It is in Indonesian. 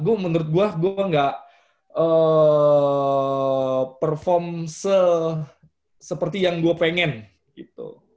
gue menurut gue gue gak perform seperti yang gue pengen gitu